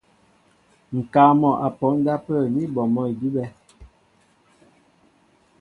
Ŋ̀kaa mɔ' a pɔ á ndápə̂ ní bɔ mɔ́ idʉ́bɛ̄.